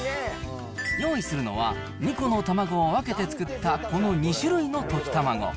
用意するのは２個の卵を分けて作ったこの２種類の溶き卵。